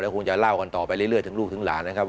คงจะเล่ากันต่อไปเรื่อยถึงลูกถึงหลานนะครับ